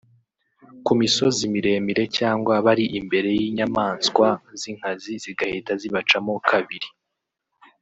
ku misozi miremire cyangwa bari imbere y’inyamanswa z’inkazi zigahita zibacamo kabiri